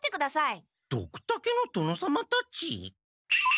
ドクタケの殿様たち？